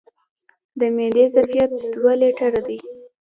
د معدې ظرفیت دوه لیټره دی.